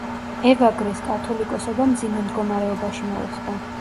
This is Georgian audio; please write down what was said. ევაგრეს კათოლიკოსობა მძიმე მდგომარეობაში მოუხდა.